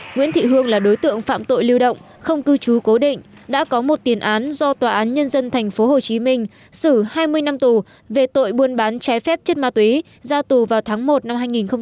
nguyễn thị hương là đối tượng phạm tội lưu động không cư trú cố định đã có một tiền án do tòa án nhân dân tp hcm xử hai mươi năm tù về tội buôn bán trái phép chất ma túy ra tù vào tháng một năm hai nghìn một mươi ba